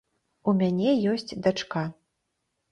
У мяне ёсць дачка.